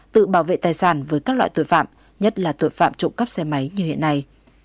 tự bảo vệ tài sản với các loại tội phạm nhất là tội phạm trộm cắp xe máy như hiện nay